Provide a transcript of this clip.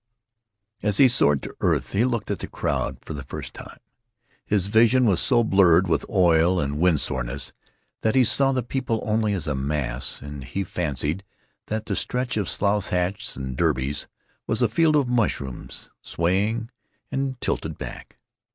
As he soared to earth he looked at the crowd for the first time. His vision was so blurred with oil and wind soreness that he saw the people only as a mass and he fancied that the stretch of slouch hats and derbies was a field of mushrooms swaying and tilted back.